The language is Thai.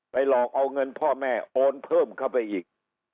หลอกเอาเงินพ่อแม่โอนเพิ่มเข้าไปอีก